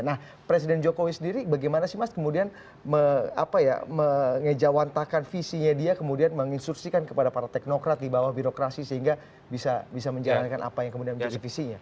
nah presiden jokowi sendiri bagaimana sih mas kemudian mengejawantakan visinya dia kemudian menginstruksikan kepada para teknokrat di bawah birokrasi sehingga bisa menjalankan apa yang kemudian menjadi visinya